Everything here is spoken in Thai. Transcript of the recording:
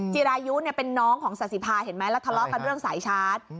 จิรายุเป็นน้องของศาสิภาเห็นไหมแล้วทะเลาะกันเรื่องสายชาร์จ